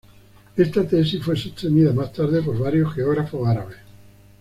Esta tesis fue sostenida más tarde por varios geógrafos árabes.